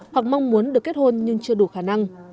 hoặc mong muốn được kết hôn nhưng chưa đủ khả năng